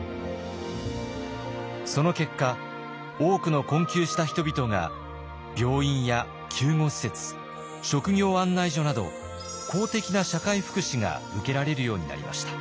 その結果多くの困窮した人々が病院や救護施設職業案内所など公的な社会福祉が受けられるようになりました。